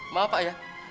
maaf pak ya